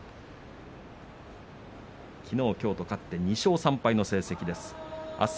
きのう、きょうと勝って２勝３敗の成績です。